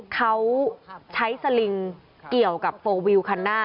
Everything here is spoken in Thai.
เขาใช้สลิงเกี่ยวกับโฟลวิวคันหน้า